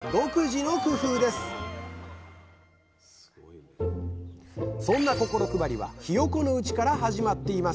そんな心配りはひよこのうちから始まっています